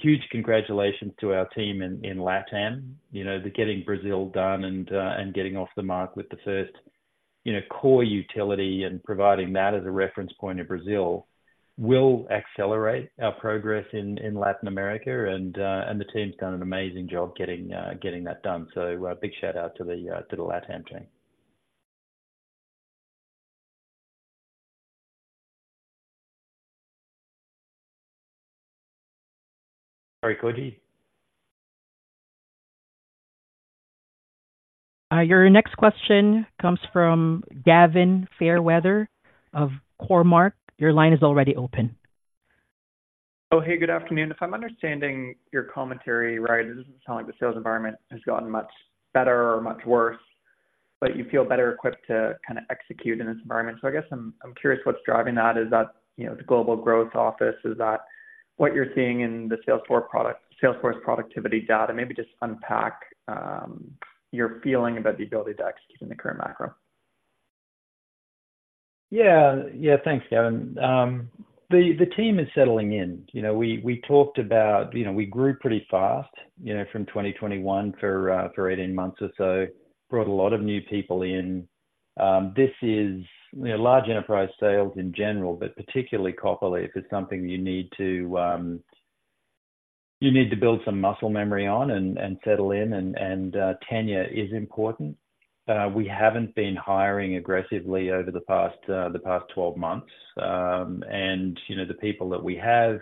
B: Huge congratulations to our team in LATAM. You know, they're getting Brazil done and getting off the mark with the first, you know, core utility and providing that as a reference point in Brazil, will accelerate our progress in Latin America. And the team's done an amazing job getting that done. So, big shout-out to the LATAM team. Sorry, Koji?
A: Your next question comes from Gavin Fairweather of Cormark. Your line is already open.
I: Oh, hey, good afternoon. If I'm understanding your commentary right, it doesn't sound like the sales environment has gotten much better or much worse, but you feel better equipped to kind of execute in this environment. So I guess I'm, I'm curious what's driving that. Is that, you know, the global growth office, is that what you're seeing in the Salesforce product, Salesforce productivity data? Maybe just unpack your feeling about the ability to execute in the current macro.
B: Yeah. Yeah, thanks, Gavin. The team is settling in. You know, we talked about, you know, we grew pretty fast, you know, from 2021 for 18 months or so, brought a lot of new people in. This is, you know, large enterprise sales in general, but particularly Copperleaf's, is something you need to build some muscle memory on and settle in, and tenure is important. We haven't been hiring aggressively over the past 12 months. And, you know, the people that we have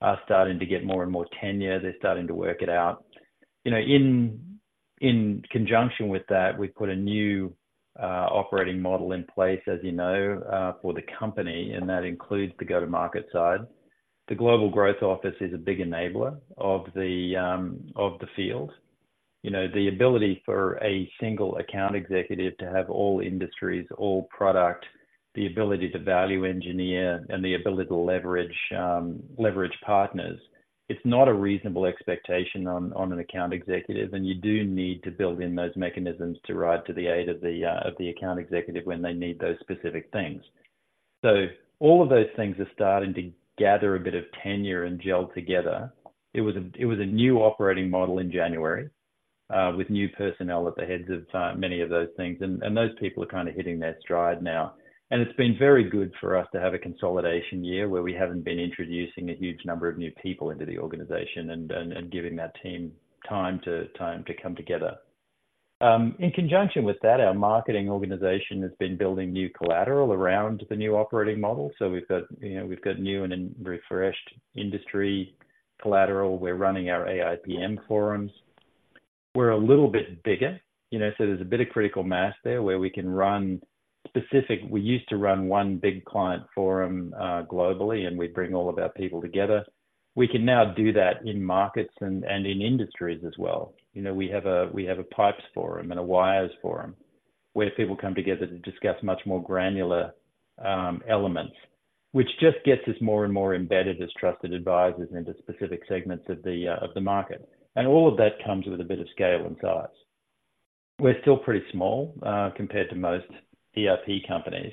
B: are starting to get more and more tenure. They're starting to work it out. You know, in conjunction with that, we've put a new operating model in place, as you know, for the company, and that includes the go-to-market side. The global growth office is a big enabler of the field. You know, the ability for a single account executive to have all industries, all product, the ability to value engineer, and the ability to leverage partners, it's not a reasonable expectation on an account executive, and you do need to build in those mechanisms to ride to the aid of the account executive when they need those specific things. So all of those things are starting to gather a bit of tenure and gel together. It was a new operating model in January with new personnel at the heads of many of those things, and those people are kind of hitting their stride now. It's been very good for us to have a consolidation year, where we haven't been introducing a huge number of new people into the organization and giving that team time to come together. In conjunction with that, our marketing organization has been building new collateral around the new operating model. We've got, you know, we've got new and refreshed industry collateral. We're running our AIPM forums. We're a little bit bigger, you know, so there's a bit of critical mass there where we can run specific... We used to run one big client forum globally, and we'd bring all of our people together. We can now do that in markets and in industries as well. You know, we have a, we have a pipes forum and a wires forum, where people come together to discuss much more granular, elements, which just gets us more and more embedded as trusted advisors into specific segments of the, of the market. And all of that comes with a bit of scale and size. We're still pretty small, compared to most ERP companies,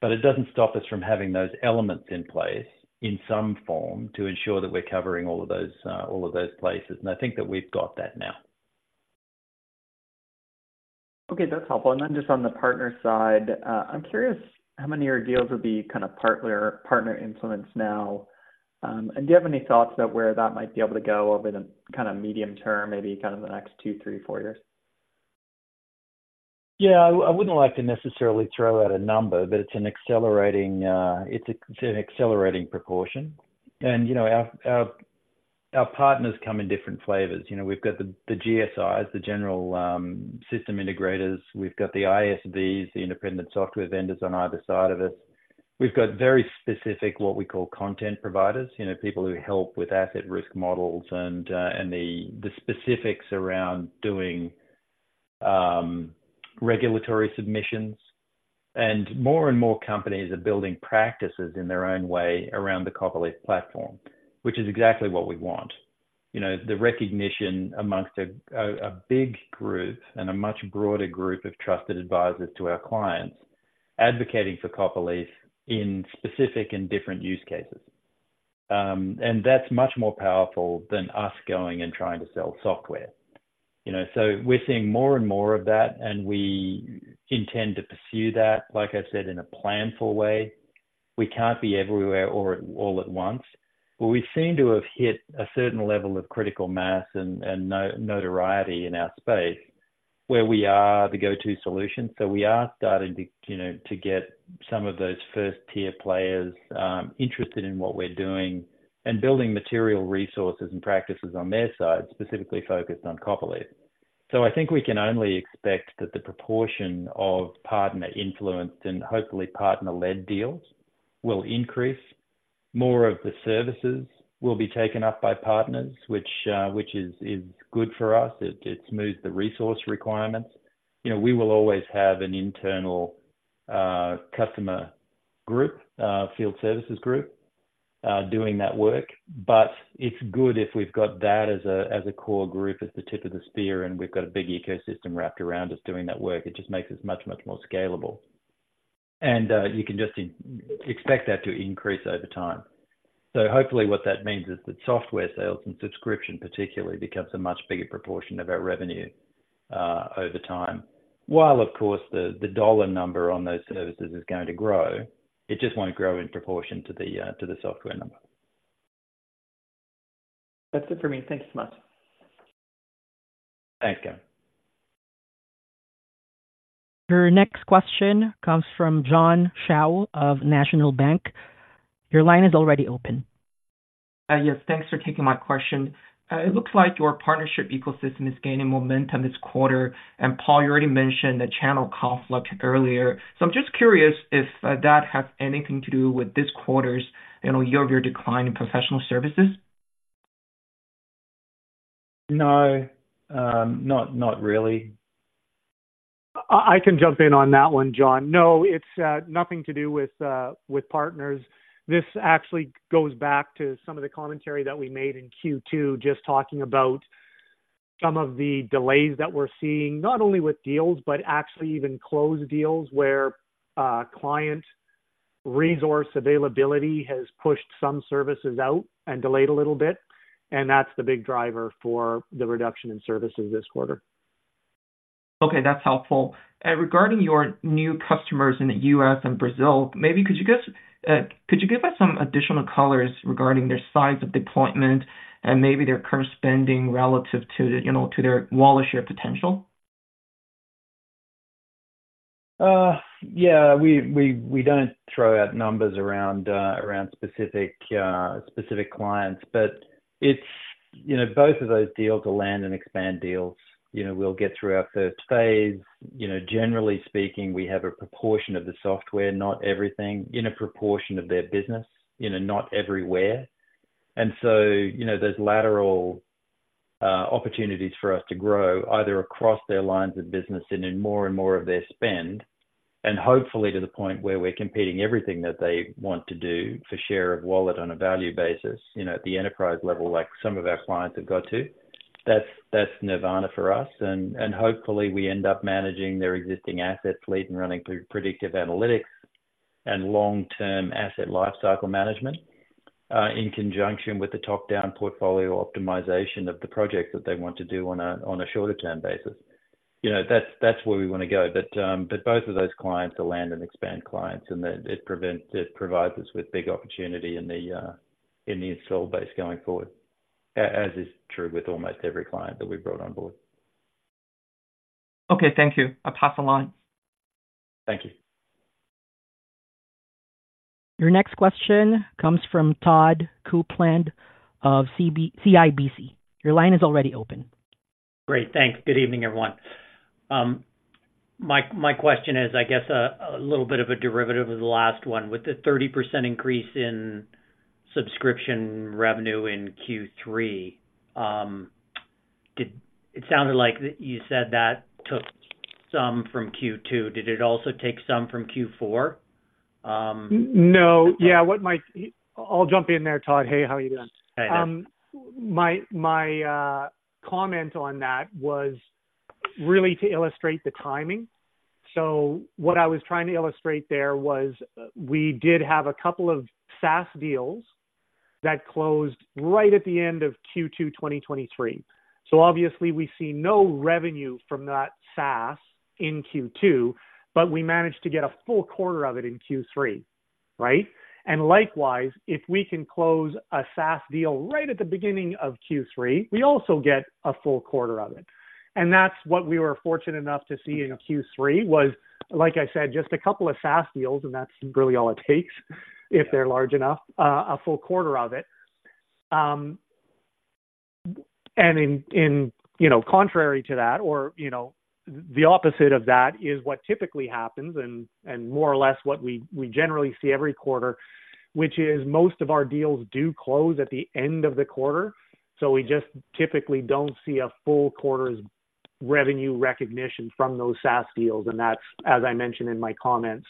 B: but it doesn't stop us from having those elements in place in some form to ensure that we're covering all of those, all of those places, and I think that we've got that now.
I: Okay, that's helpful. And then just on the partner side, I'm curious, how many of your deals would be kind of partner, partner influence now? And do you have any thoughts about where that might be able to go over the kind of medium term, maybe kind of the next two, three, four years?
B: Yeah, I wouldn't like to necessarily throw out a number, but it's an accelerating proportion. You know, our partners come in different flavors. You know, we've got the GSIs, the General System Integrators, we've got the ISVs, the independent software vendors on either side of us. We've got very specific, what we call, content providers, you know, people who help with asset risk models and the specifics around doing regulatory submissions, and more and more companies are building practices in their own way around the Copperleaf platform, which is exactly what we want. You know, the recognition amongst a big group and a much broader group of trusted advisors to our clients, advocating for Copperleaf in specific and different use cases. And that's much more powerful than us going and trying to sell software. You know, so we're seeing more and more of that, and we intend to pursue that, like I said, in a planful way. We can't be everywhere or all at once. But we seem to have hit a certain level of critical mass and notoriety in our space, where we are the go-to solution. So we are starting to, you know, to get some of those first-tier players interested in what we're doing, and building material resources and practices on their side, specifically focused on Copperleaf. So I think we can only expect that the proportion of partner influence and hopefully partner-led deals will increase. More of the services will be taken up by partners, which is good for us. It smooths the resource requirements. You know, we will always have an internal customer group, field services group doing that work, but it's good if we've got that as a core group, as the tip of the spear, and we've got a big ecosystem wrapped around us doing that work. It just makes us much, much more scalable. And you can just expect that to increase over time. So hopefully what that means is that software sales and subscription particularly becomes a much bigger proportion of our revenue over time. While, of course, the dollar number on those services is going to grow, it just won't grow in proportion to the software number.
I: That's it for me. Thank you so much.
B: Thanks, Gavin.
A: Your next question comes from John Shao of National Bank. Your line is already open.
J: Yes, thanks for taking my question. It looks like your partnership ecosystem is gaining momentum this quarter, and Paul, you already mentioned the channel conflict earlier. So I'm just curious if that has anything to do with this quarter's, you know, year-over-year decline in professional services?
B: No. Not really.
C: I can jump in on that one, John. No, it's nothing to do with partners. This actually goes back to some of the commentary that we made in Q2, just talking about some of the delays that we're seeing, not only with deals, but actually even closed deals, where client resource availability has pushed some services out and delayed a little bit, and that's the big driver for the reduction in services this quarter.
J: Okay, that's helpful. Regarding your new customers in the US and Brazil, maybe could you give us some additional colors regarding their size of deployment and maybe their current spending relative to, you know, to their wallet share potential?
B: Yeah, we don't throw out numbers around specific clients, but it's, you know, both of those deals are land and expand deals. You know, we'll get through our first phase. You know, generally speaking, we have a proportion of the software, not everything, in a proportion of their business, you know, not everywhere. And so, you know, there's lateral opportunities for us to grow, either across their lines of business and in more and more of their spend, and hopefully to the point where we're competing everything that they want to do for share of wallet on a value basis, you know, at the enterprise level, like some of our clients have got to. That's nirvana for us, and hopefully, we end up managing their existing assets, lead and running through predictive analytics and long-term asset lifecycle management in conjunction with the top-down portfolio optimization of the projects that they want to do on a shorter term basis. You know, that's where we wanna go. But both of those clients are land and expand clients, and then it provides us with big opportunity in the install base going forward, as is true with almost every client that we've brought on board.
J: Okay. Thank you. I'll pass the line.
B: Thank you.
A: Your next question comes from Todd Coupland of CIBC. Your line is already open.
K: Great. Thanks. Good evening, everyone. My question is, I guess, a little bit of a derivative of the last one. With the 30% increase in subscription revenue in Q3, it sounded like you said that took some from Q2. Did it also take some from Q4?
C: No. Yeah, I'll jump in there, Todd. Hey, how are you doing?
K: Hey, there.
C: My comment on that was really to illustrate the timing. So what I was trying to illustrate there was, we did have a couple of SaaS deals that closed right at the end of Q2, 2023. So obviously, we see no revenue from that SaaS in Q2, but we managed to get a full quarter of it in Q3, right? And likewise, if we can close a SaaS deal right at the beginning of Q3, we also get a full quarter of it. And that's what we were fortunate enough to see in Q3 was, like I said, just a couple of SaaS deals, and that's really all it takes, if they're large enough, a full quarter of it. And in, you know, contrary to that, or, you know, the opposite of that is what typically happens and more or less what we generally see every quarter, which is most of our deals do close at the end of the quarter....
B: So we just typically don't see a full quarter's revenue recognition from those SaaS deals, and that's, as I mentioned in my comments,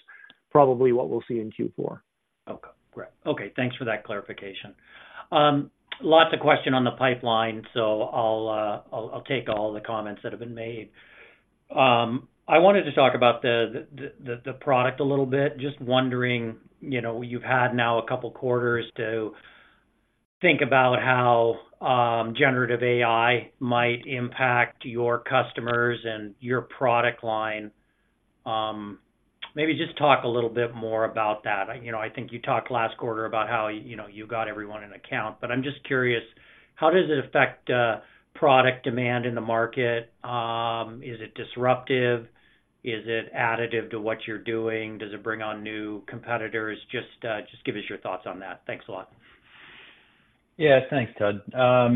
B: probably what we'll see in Q4.
K: Okay, great. Okay, thanks for that clarification. Lots of questions on the pipeline, so I'll take all the comments that have been made. I wanted to talk about the product a little bit. Just wondering, you know, you've had now a couple quarters to think about how generative AI might impact your customers and your product line. Maybe just talk a little bit more about that. You know, I think you talked last quarter about how, you know, you got everyone in account, but I'm just curious: how does it affect product demand in the market? Is it disruptive? Is it additive to what you're doing? Does it bring on new competitors? Just give us your thoughts on that. Thanks a lot.
B: Yeah, thanks, Todd. Yeah,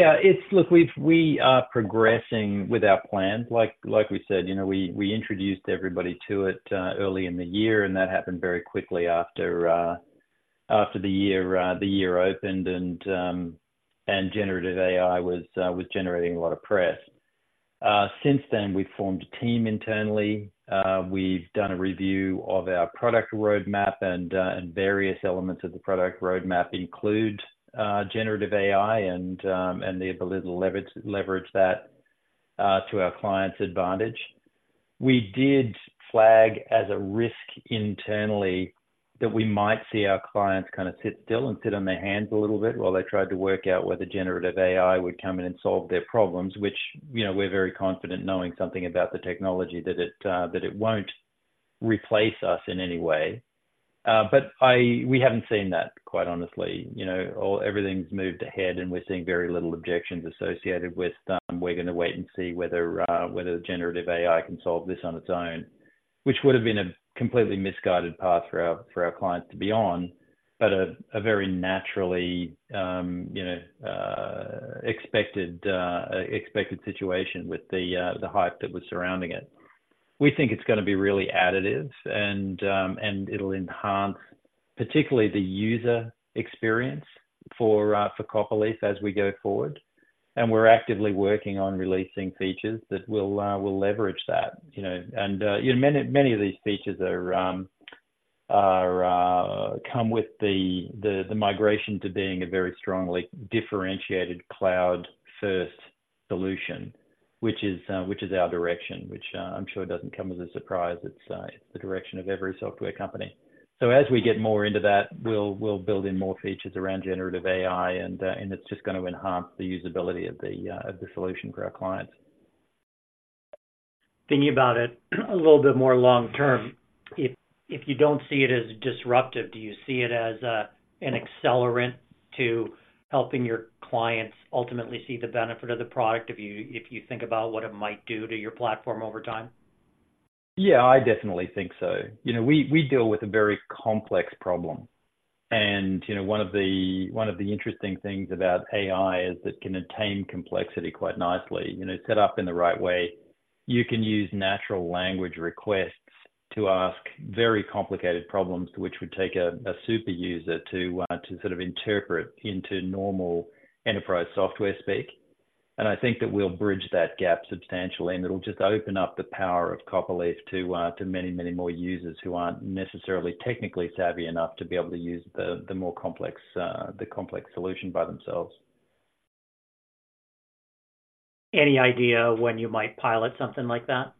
B: it's, look, we've, we are progressing with our plans. Like, like we said, you know, we, we introduced everybody to it early in the year, and that happened very quickly after, after the year, the year opened, and, and generative AI was, was generating a lot of press. Since then, we've formed a team internally. We've done a review of our product roadmap, and, and various elements of the product roadmap include generative AI and, and the ability to leverage that to our clients' advantage. We did flag as a risk internally that we might see our clients kind of sit still and sit on their hands a little bit while they tried to work out whether generative AI would come in and solve their problems, which, you know, we're very confident knowing something about the technology, that it won't replace us in any way. But we haven't seen that, quite honestly. You know, everything's moved ahead, and we're seeing very little objections associated with we're gonna wait and see whether generative AI can solve this on its own, which would have been a completely misguided path for our clients to be on, but a very natural, you know, expected situation with the hype that was surrounding it. We think it's gonna be really additive and it'll enhance, particularly the user experience for Copperleaf as we go forward. We're actively working on releasing features that will leverage that, you know. You know, many, many of these features come with the migration to being a very strongly differentiated cloud-first solution, which is our direction, which I'm sure doesn't come as a surprise. It's the direction of every software company. So as we get more into that, we'll build in more features around generative AI, and it's just gonna enhance the usability of the solution for our clients.
K: Thinking about it a little bit more long term, if you don't see it as disruptive, do you see it as an accelerant to helping your clients ultimately see the benefit of the product, if you think about what it might do to your platform over time?
B: Yeah, I definitely think so. You know, we deal with a very complex problem. And, you know, one of the interesting things about AI is it can attain complexity quite nicely. You know, set up in the right way, you can use natural language requests to ask very complicated problems, which would take a super user to sort of interpret into normal enterprise software speak. And I think that we'll bridge that gap substantially, and it'll just open up the power of Copperleaf to many, many more users who aren't necessarily technically savvy enough to be able to use the more complex solution by themselves.
K: Any idea when you might pilot something like that?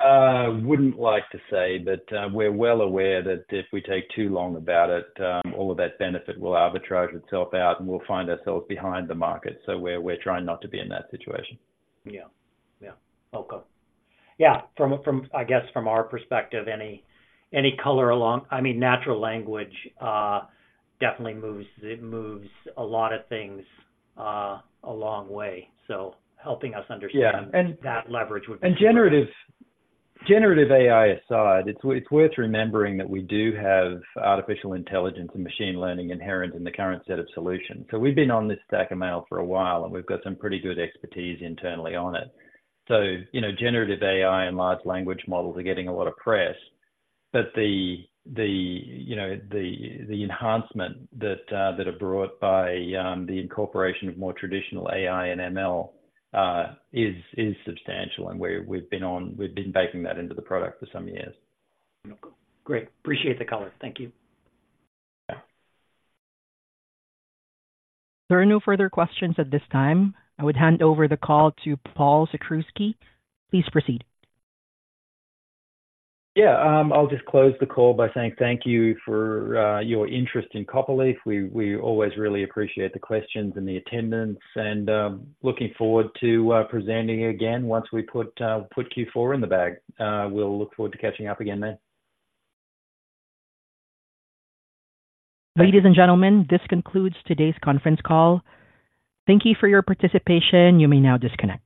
B: Wouldn't like to say, but we're well aware that if we take too long about it, all of that benefit will arbitrage itself out, and we'll find ourselves behind the market, so we're, we're trying not to be in that situation.
K: Yeah. Yeah. Okay. Yeah, from our perspective, I guess, any color along... I mean, natural language definitely moves a lot of things a long way. So helping us understand-
B: Yeah-
K: that leverage would be
B: Generative AI aside, it's worth remembering that we do have artificial intelligence and machine learning inherent in the current set of solutions. So we've been on this stack of ML for a while, and we've got some pretty good expertise internally on it. So, you know, generative AI and large language models are getting a lot of press, but the enhancement that are brought by the incorporation of more traditional AI and ML is substantial, and we've been baking that into the product for some years.
K: Okay, great. Appreciate the color. Thank you.
B: Yeah.
A: There are no further questions at this time. I would hand over the call to Paul Sakrzewski. Please proceed.
B: Yeah, I'll just close the call by saying thank you for your interest in Copperleaf. We always really appreciate the questions and the attendance, and looking forward to presenting again once we put Q4 in the bag. We'll look forward to catching up again then.
A: Ladies and gentlemen, this concludes today's conference call. Thank you for your participation. You may now disconnect.